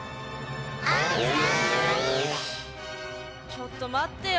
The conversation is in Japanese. ちょっと待ってよ！